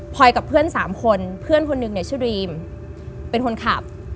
พอยกับเพื่อน๓คนเพื่อนคนหนึ่งเนี่ยชื่อดรีมเป็นคนขับ